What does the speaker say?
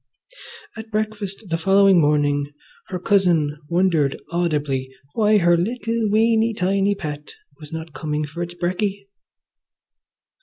At breakfast the following morning her cousin wondered audibly why her little, weeny, tiny pet was not coming for its brecky.